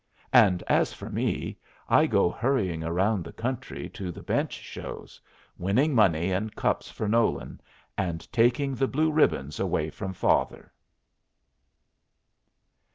And as for me, I go hurrying around the country to the bench shows, winning money and cups for Nolan, and taking the blue ribbons away from father.